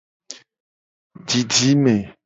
Didime.